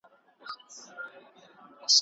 انسان د خدای مستقيمه نماینده ګي پر غاړه لري.